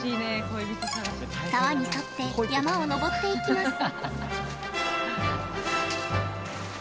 沢に沿って山を登っていきます。